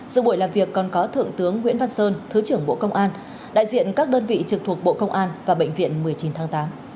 giữa buổi làm việc còn có thượng tướng nguyễn văn sơn thứ trưởng bộ công an đại diện các đơn vị trực thuộc bộ công an và bệnh viện một mươi chín tháng tám